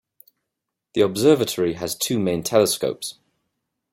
The observatory has two main telescopes.